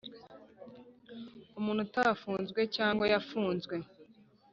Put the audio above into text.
Umuntu atafunzwe cyangwa yafunzwe